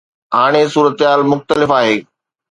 هاڻي صورتحال مختلف آهي.